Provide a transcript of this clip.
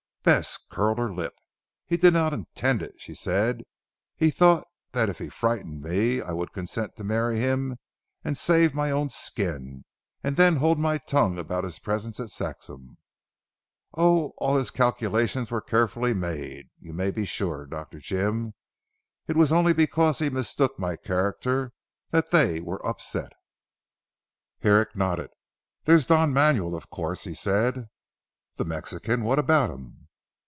Bess curled her lip. "He did not intend it," she said, "he thought that if he frightened me I would consent to marry him to save my own skin and then hold my tongue about his presence at Saxham. Oh! all his calculations were carefully made, you may be sure Dr. Jim. It was only because he mistook my character that they were upset." Herrick nodded. "There is Don Manuel of course," he said. "The Mexican! What about him?"